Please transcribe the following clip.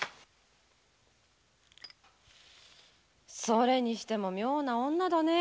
それにしても妙な女だね。